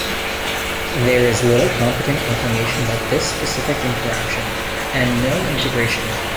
There is little competent information about this specific interaction, and no integration.